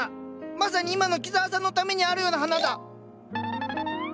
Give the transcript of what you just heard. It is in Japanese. まさに今の木沢さんのためにあるような花だ！